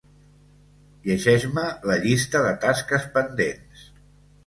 Llegeix-me la llista de tasques pendents.